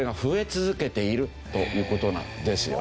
という事なんですよね。